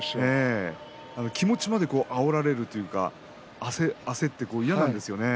気持ちまでをあおられるというか焦って嫌なんですよね。